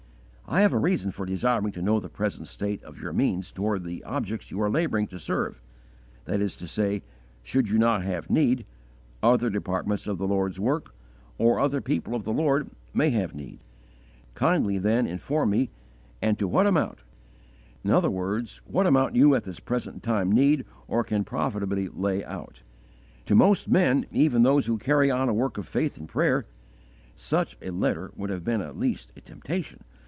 I have a reason for desiring to know the present state of your means towards the objects you are labouring to serve: viz., should you not have need, other departments of the Lord's work, or other people of the Lord, may have need. Kindly then inform me, and to what amount, i.e. what amount you at this present time need or can profitably lay out." To most men, even those who carry on a work of faith and prayer, such a letter would have been at least a temptation.